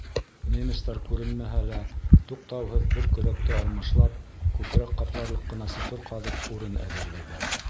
Немецтар күренмәһә лә, туҡтауһыҙ бер көрәкте алмашлап, күкрәк ҡапларлыҡ ҡына соҡор ҡаҙып, урын әҙерләйҙәр.